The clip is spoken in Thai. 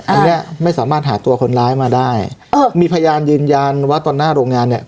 อันนี้ไม่สามารถหาตัวคนร้ายมาได้เออมีพยานยืนยันว่าตอนหน้าโรงงานเนี้ย